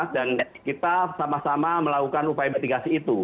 dan kita sama sama melakukan upaya mitigasi itu